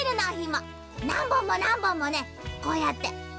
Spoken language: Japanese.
なんぼんもなんぼんもねこうやって。